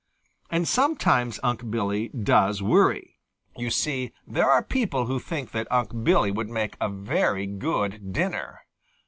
And sometimes Unc' Billy does worry. You see, there are people who think that Unc' Billy would make a very good dinner.